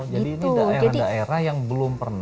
jadi ini daerah daerah yang belum pernah